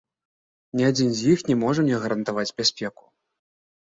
Ні адзін з іх не можа мне гарантаваць бяспеку.